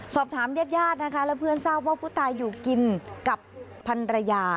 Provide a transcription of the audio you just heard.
สอบถามญาติแล้วเพื่อนเศร้าว่าผู้ตายอยู่กินกับพันรยา